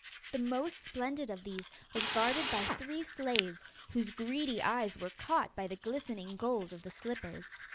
The most splendid of these was guarded by three slaves, whose greedy eyes were caught by the glistening gold of the slippers.